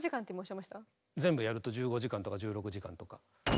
全部やると１５時間とか１６時間とか。